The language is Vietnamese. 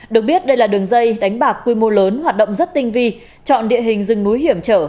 được biết đây là đường dây đánh bạc quy mô lớn hoạt động rất tinh vi chọn địa hình rừng núi hiểm trở